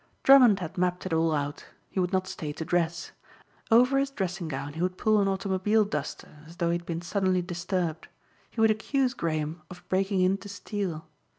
Drummond had mapped it all out. He would not stay to dress. Over his dressing gown he would pull an automobile duster as though he had been suddenly disturbed. He would accuse Graham of breaking in to steal.